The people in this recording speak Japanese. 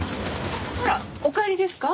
あらお帰りですか？